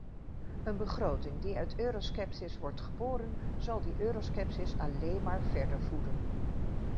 Een begroting die uit euroscepsis wordt geboren, zal die euroscepsis alleen maar verder voeden.